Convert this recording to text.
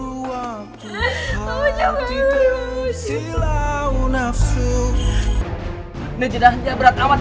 ini jenajahnya berat amat ya